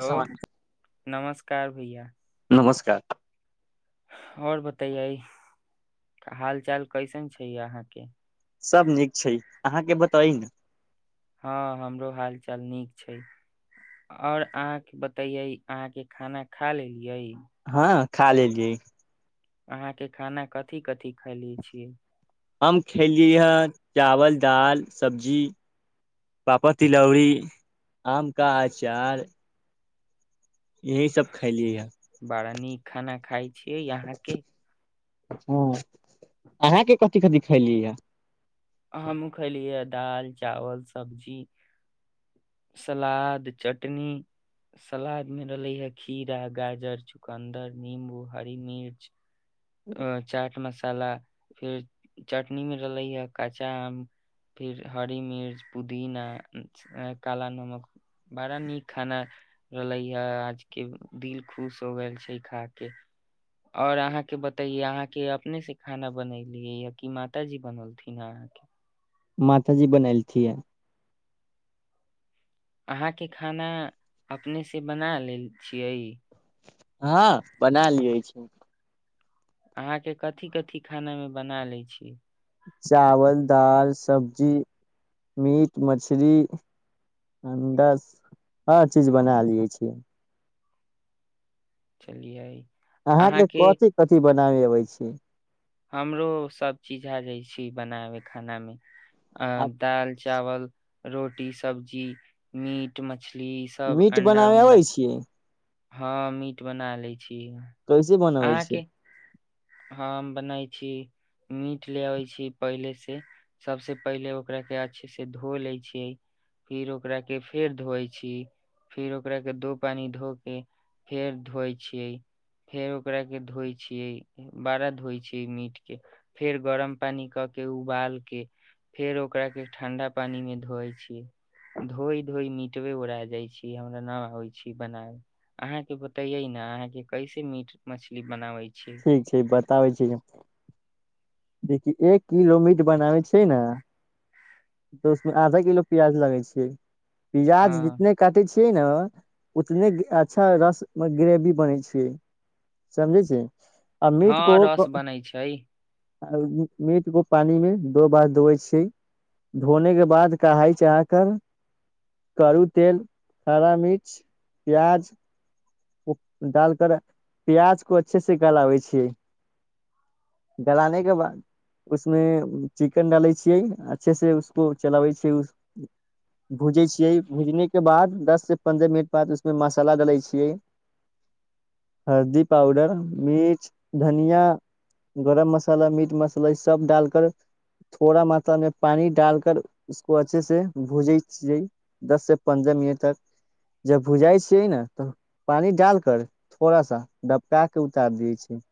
Hello नमस्कार का भैया नमस्कार आओर बतैया हाल चाल कैसन छै अहाँके सभ नीक छै अहाँके बताई ने हँ हमरो हाल चाल नीक छै आओर अहाँके बतैये अहाँके खाना खा लेलियै हँ खा लेलियै अहाँके खाना कथि कथि खली छियै हम खेलियै हे चावल दालि सब्जी पापड़ तिलौरी आमके अचार यही सब खैलियै हइ बड़ा नीक खाना खाय छिय अहाँ के ह अहाँके कथी कथि खैली यए हमूँ खलियै ह दालि चावल सब्जी सलाद चटनी सलाद मे रहलै हे खीरा गाजर चुकन्दर निम्बू हरी मिर्च आ चाट मसाला मसाला फिर चटनी मे रहलै या काँचा आम फिर हरी मिर्च पुदीना काला नमक बड़ा नीक खाना रहले हा आज के दिल खुश हो गेल छै खा के और अहाँके बतेये अहाँके अपने से खाना बनेलियै य कि मातााजी बनलथिन नहि माता जी बनैलथि ये अहाँके खाना अपनेसँ बना लेल छियै हँ बना लिये छी अहाँके कथी कथी खानामे बना लैत छीयै चावल दाल सब्जी मीट मछरी अंडा हर चीज बना लियै छियै चलियइ अहाँके कथि कथि बता नहि अबै छै हमरो सभ चीज आ जाइ छै बनाबे खानामे आ दाल चावल रोटी सब्जी मीट मछ मीट बनाबे अबै छियै हँ मीट बना लय कैसे बनबै छियै हम बनैय छी मीट ले अबैत छी पहिलेसँ सभसँ पहिले ओकराके अच्छे से धो लैत छियै फेर ओकराके फेर धोइत छी फेर ओकराके दो पानि धो के फेर धोइत छियै फेर ओकाके धोइत छियै बड़ा धोइ छियै मीट के फेर गरम पानी कऽ के उबाल के फेर ओकरा के ठंडा पानी मे धोइ छी धोइ धोइ मीटवे ओरा जाइ छियै हमरा न होय छै बनाबे अहाँ के बतैये ने अहाँ के कैसे मीट मछली बनाबै छी छियै ठीक बताबै छी देखि एक किलो मीट बनाबै छियै नऽ तऽ उसमे आधा किलो प्याज लागे छियै प्याज हँ जितने काटै छी छियै नऽ उतने अच्छा रस मे ग्रेवी बनेै छियै समझै छी आ हँ रस बनै छै आ उ मीट के पानि मे दो बार धोवै छियै धोने के बाद कड़ाही चढ़ा कऽ करु तेल हरा मिर्च प्याज डाल कर प्याज को अच्छे से गलाबै छियै गलाने के बाद उसमे चिकन डालै छियै अच्छे से उसको चलाबै छियै भूजै छियै भूजने के बाद दस से पन्द्रह मिनट बाद उसमे मसाला डालै छियै हल्दी पाउडर मिर्च धनियां गरम मसाला मीट मसाला ई सब डालकर थोड़ा मात्रामे पानी डाल कर उसको अच्छे से भुजै छियै दस से पन्द्रह मिनट तक जब भुजाइ छियै नऽ तऽ पानी डाल कर थोड़ा सा बड़का के उतार दियै छियै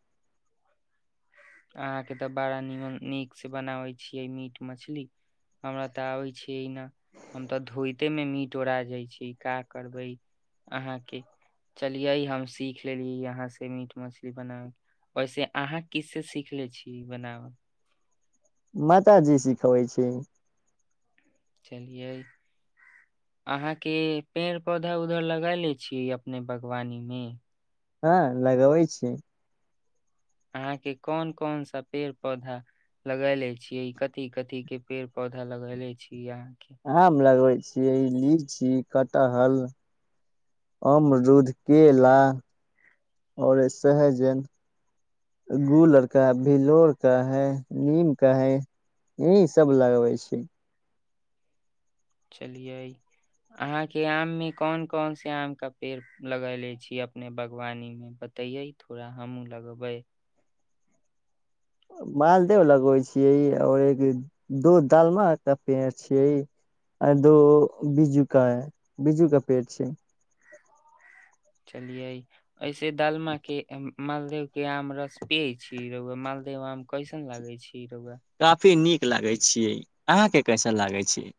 अहाँके तऽ बड़ा नीमन नीक से बनाबै छियै मीट मछली हमरा तऽ आबै छियै न हम तऽ धोइते मे मीट ओड़ा जाइ छै का करबै अहाँके चलियै हम सीख लेलियै अहाँ से मीट मछली बनाबेके वैसे अहाँ किस से सीखले छी बनावल माताजी सिखबै छियै चलियै अहाँके पेड़ पौधा उधर लगैले छियै अपने बागवानीमे हँ लगबै छियै अहाँके कोन कोन सा पेड़ पौधा लगैले छियै कथी कथी के पेड़ पौधा लगैले छी अहाँ के हम लगबै छियै लीची कटहल अमरूद केला आओर सहजन गुलर का भिलोर का है नीम का है ई सब लगबै छी चलियै अहाँके आममे कोन कोन से आमका पेड़ लगयले छियै अपने बागवानीमे बतैयै थोड़ा हमहूँ लगबै मालदेव लगबै छियै आओर एक दो दालमा का पेड़ छियै आ दो बिज्जू का है बिज्जू का पेड़ छियै लियै [inaudible] ऐसे दालमा के उंम मालदेव के आम रस पियै छी रौउआ मालदेव आम कैसन लागै छी रउआ काफी नीक लागै छियै अहाँके कैसन लागै छियै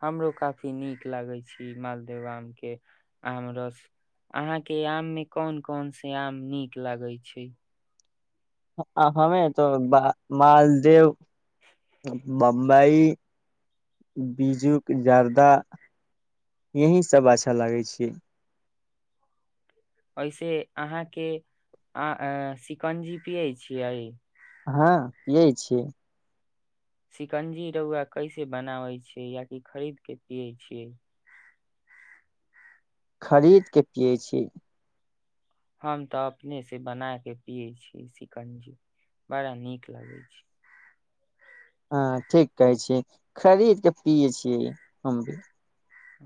हमरो काफी नीक लागै छै मालदेव आमके आम रस अहाँके आममे कोन कोन से आम नीक लागैत छै आ हमे तो बा मालदेव बम्बई बीजुक जर्दा यही सब अच्छा लागै छियै ऐसे अहाँके आ शिकंजी पियै छियै हँ पियै छियै शिकंजी रौआ कैसे बनाबै छियै आ कि खरीद के पियै छियै खरीद के पियै छी हम तऽ अपनेसँ बना कऽ पियै छियै सिकंजी बड़ा नीक लगैत छै हँ ठीक कहै छी खरीद कऽ पियै छियै हम भी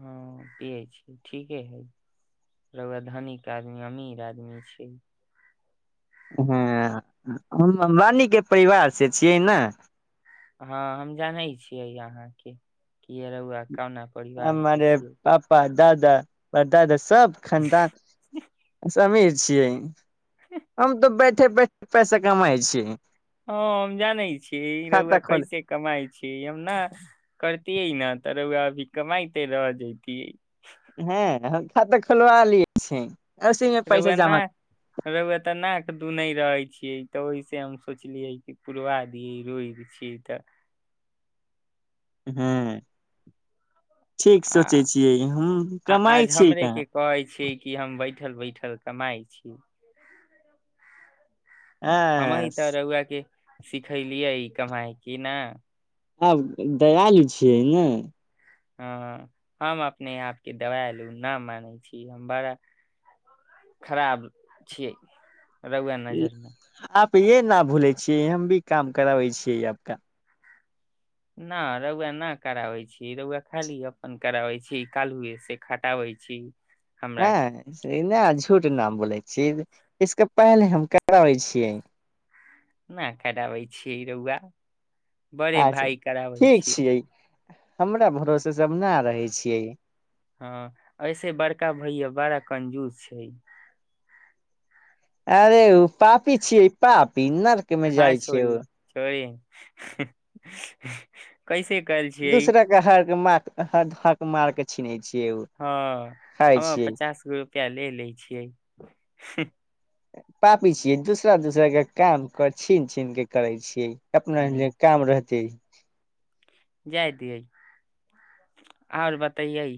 हँ पियै छीयै ठीके हइ रआ धनिक आदमी अमीर आदमी छै हँ हम रानीके परिवारसँ छियै ने हँ हम जानै छियै यहाँके कि रौआ कहुना परिवार से हमरे छियै पापा दादा हमरा दादा सब दा सब खनदान सभी छीय हम तऽ बैठे बैठे पैसा कमाइ छिय हँ हम जानै छियै ई रौआ खाता खोल कैसे कमाइ छै हम न करती है न त रौआ अभी कमाइते रह जति हँ हम खातऽ खोलवा लिय छिय रौआ न रौआ तऽ नाक दूनेय रहे छियै तऽ ओहिस हम सोचलियै कि खुलवा दिए रुय छी तऽ हँ ठीक आ सोचै छियै हम आ कमाइ आज छी हमरे कहाँ के कहै छियै कि हम बैठल बैठल कमाइ छी आँ स् सिखलियै ई कमाइ की ने आब दयालु छियै ने हँ हम अपने आपके दयालु न मानै छी हम बड़ा खराब छियै रौआ नजरमे आप ये ना भूलै छियै हम भी काम कराबै छियै आप का न रौआ न कराबै छी रौआ खाली अपन कराबै छी कालुए से खटाबैत छी हमरा के हँ से नहि आज झुठ नाम बोलै छी इसके पहिले हम कराबै छियै न कराबै छियै रौआा बड़े अच्छा भइ कराबै छियै हमरा भरोसे सभ नहि रहै छियै हँ ऐसे बड़का भैया बड़ा कंजूस छै अरे ओ पापी छियै पाप पन् आर केमे हँ जाइ छियै ओ छोड़िय छोड़े कैसे कल छियै दूसरा के हारके माछ ह हक मारके छिनै हँ हम पचास गो रुपैआ ले लै छियै पापी छियै दूसरा दूसरा के काम कर छीन छीन के करे छियै अपना ल ह काम रहतै जाय दियै आओर बतैयै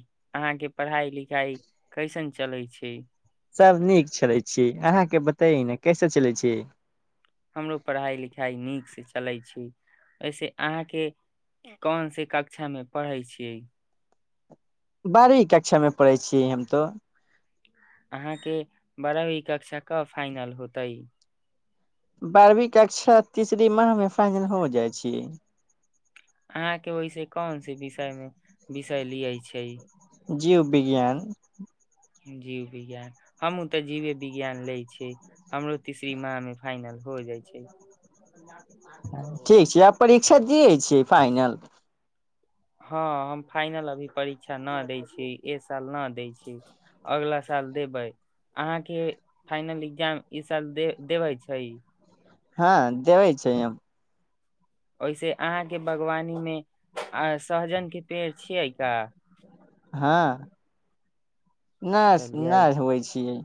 अहाँके पढ़ाई लिखाई कैसन चलै छै सभ नीक चै छी। अहाँके बताय ने कैसे चलै छी। हमरो पढ़ाइ लिखाइ नीकसँ चलै छै। वइसे अहाँके कोन से कक्षामे पढ़ै छियै बारबी कक्षामे पढ़ै छियै हम तो अहाँके बारहवी कक्षा कब फाइनल होतै बारहवीं कक्षा तीसरी माह मे फजल हो जाइ छै अहाँके वहिसे कोन से विषय मे सली अछि कइ जीव विज्ञान जीव विज्ञान, हमहूँ तऽ जीवे विज्ञान लै छियै, हमरो तीसरी माह मे फाइनल हो जाइ छै। ठीक छै, आब परीक्षा दिय छी। फाइनल हँ, हम एखन फाइनल परीक्षा नहि दै छी। एक साल नहि देब। अगिला साल देब। अहाँ फाइनल एग्जाम ई साल देबै छी? हँ देबे छै एम ओहिसँ अहाँके बागवानीमे सहजनके पेड़ छै की? हँ नहि चलियै नहि होइ छियै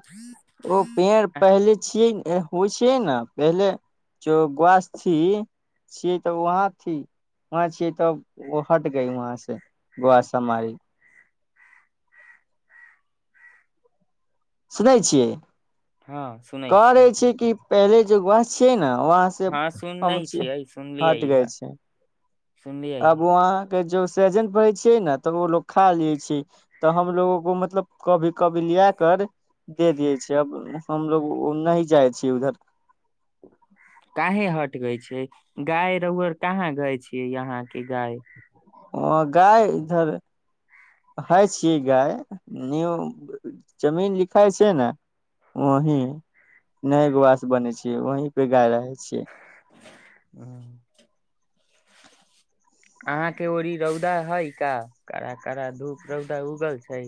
ओ पेड़ पहिले छियै ने हो, छै ने। पहिले जे गाछी छलै, ओतहि छलै। तऽ ओतयसँ हटि गेलै। सुनै छियै हँ सुनै छी करे छै कि पहिले बास छियै ने ओतयसँ हँ हम सुनै हटि गेलहुँ। सुनलिय आइयए जे सहजन पड़ै छै ने, तऽ ओ लोकनि खा लै छै। तऽ हमरो लोकनि कहियो-कहियो लऽ कऽ दऽ दै छियै। आब हमसभ ओतय नहि जाइ छी। काहे हट गय छै। गाय रहुअड़ कहाँ गाय छियै यहाँके गाय गाय एतय होइ छै। गाय जमीनमे बान्हल रहै छै ने, ओतहि रहै छै। ह अहाँके ओतय रौद कड़ा-कड़ा उगै छै की?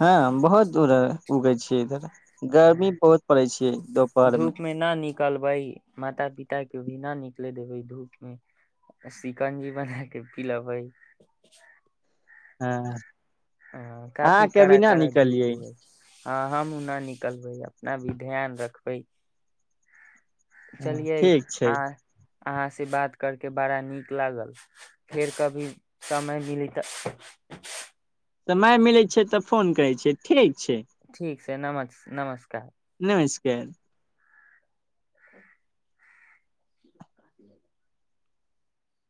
हँ बहुत दूर उगे छीियै इधर गर्मी अहाँ बहुत पड़ै छै धूप दपहरमे में न निकलबै माता पिता के भी ना निकले देबे धूप मे सिकंजी बना के पिलेबै हँ ह काफी अहाँ के अभी कड़ा न कड़ा धूप निकलियै है ह हमू न निकलबै न भी ध्यान रखबै ह चलियै ठीक छै आ अहाँ से बात करके बड़ा नीक लागल फेर कभी समय मिली तऽ समय मिलैत छै तऽ फोन करै छियै ठीक छै ठीक छै नम नमस्कार केन [inaudible] [inaudible]